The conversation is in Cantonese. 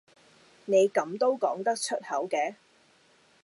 你咁都講得出口嘅？